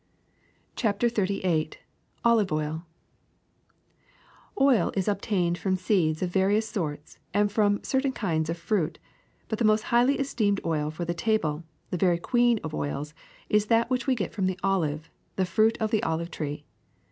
'' CHAPTER XXXVIII OLIVE OIL OIL is obtained from seeds of various sorts and from certain kinds of fruit, but the most highly esteemed oil for the table, the very queen of oils, is that which we get from the olive, the fruit of the olive tree.